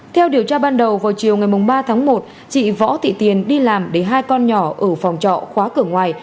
theo điều tra ban đầu vào chiều ngày ba tháng một chị võ thị tiền đi làm để hai con nhỏ ở phòng trọ khóa cửa ngoài